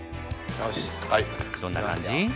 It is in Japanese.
どんな感じ？